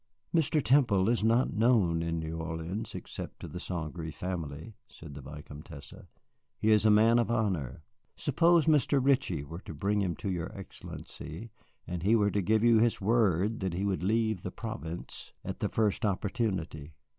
"Mr. Temple is not known in New Orleans except to the St. Gré family," said the Vicomtesse. "He is a man of honor. Suppose Mr. Ritchie were to bring him to your Excellency, and he were to give you his word that he would leave the province at the first opportunity?